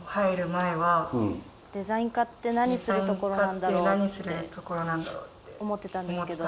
前はデザイン科って何するところなんだろうって思ってたんですけど